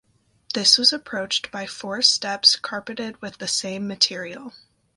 This was approached by four steps carpeted with the same material.